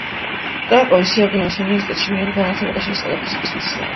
კრაკოვის იაგელონის უნივერსიტეტში მიიღო განათლება და შეისწავლა ფიზიკის მეცნიერება.